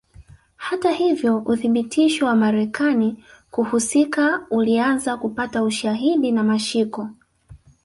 Hata hivyo uthibitisho wa Marekani kuhusika ulianza kupata ushahidi na mashiko